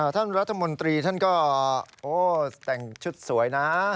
ท่านรัฐมนตรีก็แต่งชุดสวย